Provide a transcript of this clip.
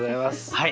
はい。